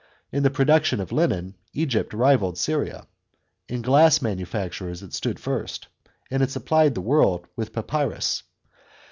In the production of linen Egypt rivalled Syria ; in glass manufactures it stood first ; and it supplied the world with papyrus.